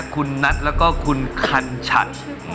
คุณนัทแล้วก็คุณคันฉัด